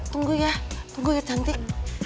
tunggu ya tunggu ya cantik